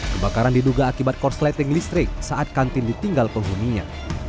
kebakaran diduga akibat korsleting listrik saat kantin ditinggal penghuninya